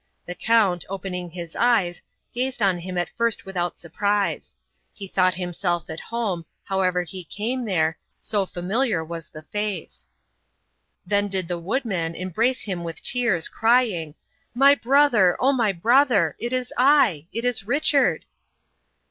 The Count, opening his eyes, gazed on him at first without surprise; he thought himself at home, however he came there, so familiar was the face. Then did the woodman embrace him with tears, crying, "My brother, O my brother! it is I! it is Richard!"